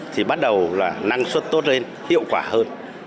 thì bắt đầu là năng suất tốt lên hiệu quả hơn